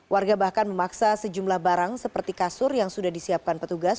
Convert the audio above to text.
warga bahkan memaksa sejumlah barang seperti kasur yang sudah disiapkan petugas